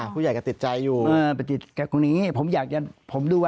อ๋อผู้ใหญ่กระติดใจอยู่